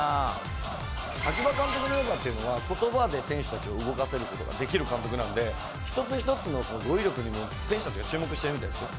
秋葉監督の良さっていうのは言葉で選手たちを動かせる事ができる監督なので一つ一つのその語彙力にも選手たちが注目してるみたいですよ。